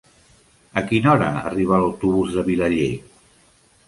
A quina hora arriba l'autobús de Vilaller?